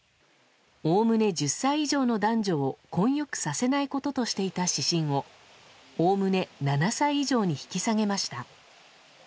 おおむね１０歳以上の男女を混浴させないこととしていた指針をおおむね７歳以上に引き下げました。